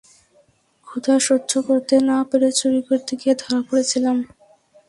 ক্ষুধা সহ্য করতে না পেরে চুরি করতে গিয়ে ধরা পড়েছিলাম।